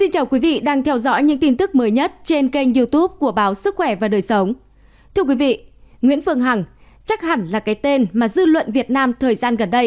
các bạn hãy đăng ký kênh để ủng hộ kênh của chúng mình nhé